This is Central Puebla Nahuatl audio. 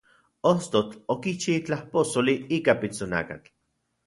Ostotl okichi itlaj posoli ika pitsonakatl.